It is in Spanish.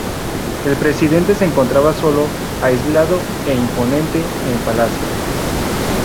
El Presidente se encontraba solo, aislado e imponente en Palacio.